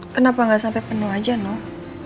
kenapa nggak sampai penuh aja noh